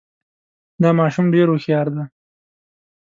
دا ماشوم ډېر هوښیار دی